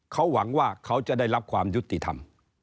เขาหวังว่าเขาจะได้รับความยุติธรรม